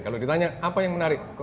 kalau ditanya apa yang menarik